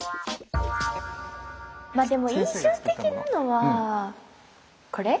まあでも印象的なのはこれ？